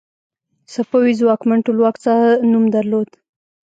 صفوي ځواکمن ټولواک څه نوم درلود؟